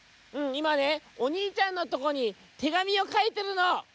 「うんいまねおにいちゃんのとこに手紙をかいてるの」。